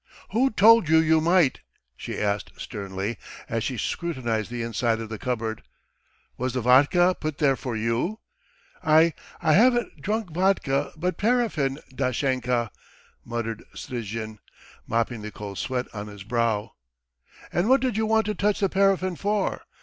"Who told you you might?" she asked sternly, as she scrutinized the inside of the cupboard. "Was the vodka put there for you?" "I ... I haven't drunk vodka but paraffin, Dashenka ..." muttered Strizhin, mopping the cold sweat on his brow. "And what did you want to touch the paraffin for?